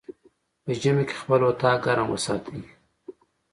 په ژمی کی خپل اطاق ګرم وساتی